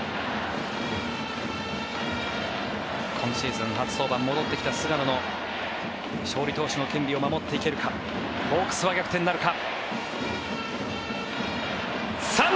今シーズン初登板戻ってきた菅野の勝利投手の権利を守っていけるかホークスは逆転なるか。